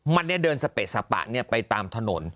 มันเนี่ยเดินสเปดสปะเนี่ยไปตามถนน